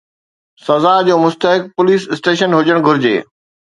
سزا جو مستحق پوليس اسٽيشن هجڻ گهرجي.